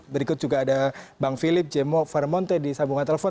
berikut juga ada bang philip jemo farmonte di sambungan telepon